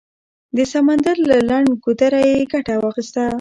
د سمندر له لنډ ګودره یې ګټه واخیسته.